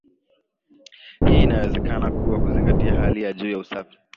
Hili linawezekana kwa kuzingatia hali ya juu ya usafi